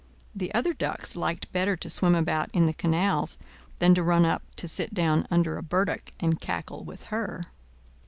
The other ducks liked better to swim about in the canals than to run up to sit down under a burdock, and cackle with her.